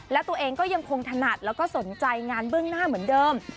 และตัวเองก็ยังคงถนัดแล้วก็สนใจงานเบื้องหน้าเหมือนเดิม